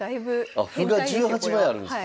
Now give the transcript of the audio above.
あ歩が１８枚あるんすか。